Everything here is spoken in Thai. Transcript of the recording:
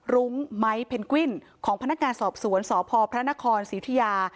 รุ้งไม้เพนกวิ้นของพนักงานสอบสวนสพพระร์ตพระนครสิทธิยา